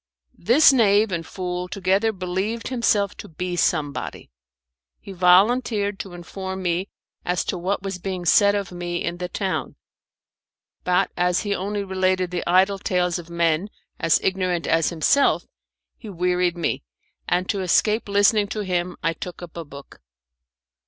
This knave and fool together believed himself to be somebody. He volunteered to inform me as to what was being said of me in the town, but as he only related the idle tales of men as ignorant as himself, he wearied me, and to escape listening to him I took up a book.